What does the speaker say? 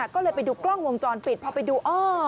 ก็เลยไปดูกล้องวงจรปิดพอไปดูอ้อ